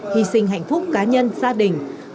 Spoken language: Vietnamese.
hy sinh hạnh phúc cá nhân gia đình